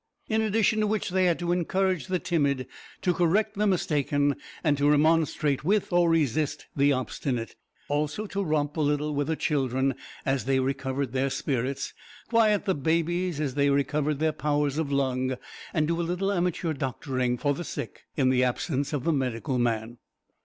In addition to which they had to encourage the timid, to correct the mistaken, and to remonstrate with or resist the obstinate; also to romp a little with the children as they recovered their spirits, quiet the babies as they recovered their powers of lung, and do a little amateur doctoring for the sick in the absence of the medical man.